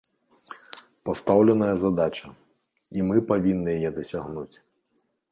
Пастаўленая задача, і мы павінны яе дасягнуць.